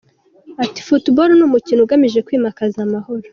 Ati :”Football ni umukino ugamije kwimakaza amahoro.